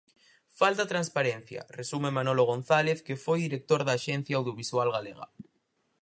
Falta transparencia..., resume Manolo González, que foi director da Axencia Audiovisual Galega.